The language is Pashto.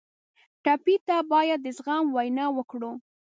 ټپي ته باید د زغم وینا وکړو.